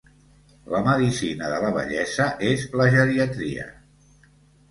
La medicina de la vellesa és la geriatria.